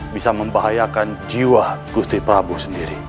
bisa membahayakan jiwa gusti prabu sendiri